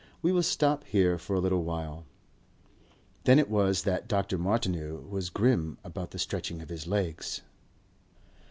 We will stop here for a little while...." Then it was that Dr. Martineau was grim about the stretching of his legs.